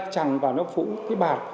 chẳng vào nó phũ cái bạc